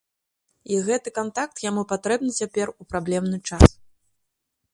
І гэты кантакт яму патрэбны цяпер у праблемны час.